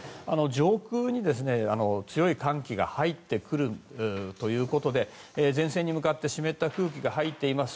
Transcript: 上空に強い寒気が入ってくるということで前線に向かって湿った空気が入っています。